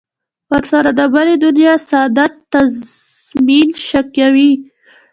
ورسره د بلې دنیا سعادت تضمین کوي.